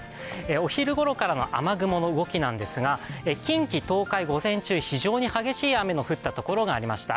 お昼頃からの雨雲の動きなんですが近畿東海、午前中非常に激しい雨が降ったところがありました。